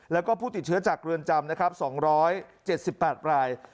แล้วก็ผู้ติดเชื้อจากเรือนจำนะครับ๒๗๘ราย